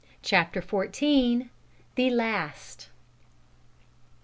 CHAPTER FOURTEEN. THE LAST.